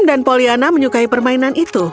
sam dan pollyanna menyukai permainan itu